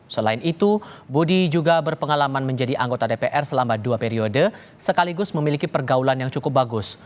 selain itu budi juga berpengalaman menjadi anggota dpr selama dua periode sekaligus memiliki pergaulan yang cukup bagus